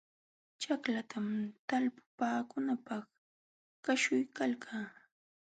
Ćhaklatam talpupaakunaapaq kaśhuykalkaa.